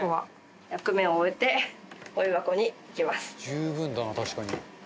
「十分だな確かに」